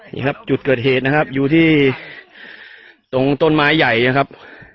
นี่ครับจุดเกิดเหตุนะครับอยู่ที่ตรงต้นไม้ใหญ่นะครับ